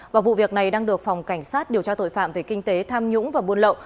và vụ việc này đang được phòng cảnh sát điều tra tội phạm về kinh tế tham nhũng và buôn lậu